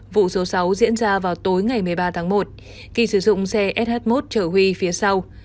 vụ số sáu diễn ra vào tối ngày một mươi ba tháng một kỳ sử dụng xe sh một trở huy phía sau